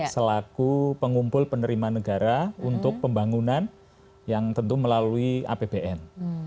selaku pengumpul penerima negara untuk pembangunan yang tentu melalui apbn